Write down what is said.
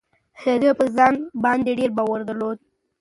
هغه په خپل ځان باندې ډېر باور درلود.